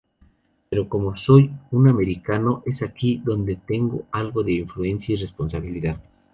Pero como soy un americano es aquí donde tengo algo de influencia y responsabilidad.